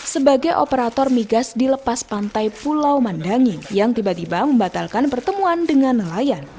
sebagai operator migas di lepas pantai pulau mandangi yang tiba tiba membatalkan pertemuan dengan nelayan